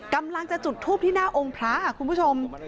กำลังจะจุดทูปที่หน้าองค์พระคุณผู้ชม